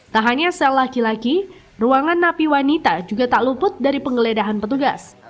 tak hanya sel laki laki ruangan napi wanita juga tak luput dari penggeledahan petugas